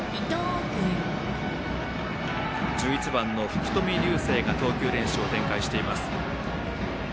１１番の福冨竜世が投球練習を展開しています。